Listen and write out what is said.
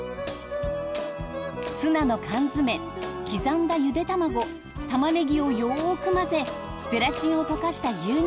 ツナの缶詰刻んだゆで卵玉ねぎをよく混ぜゼラチンを溶かした牛乳と混ぜます。